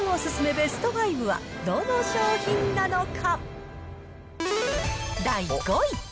ベスト５はどの商品なのか。